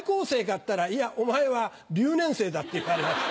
っつったら「いやお前は留年生だ」って言われました。